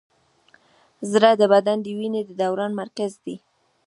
زړه د بدن د وینې د دوران مرکز دی.